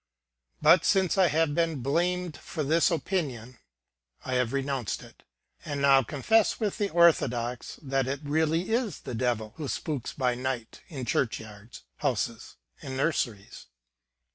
' But since I have been blamed for this opinion, I have renounced it, and now confess with the orthodox that it really is the Devil who spooks by night in church yards, houses, and nurseries.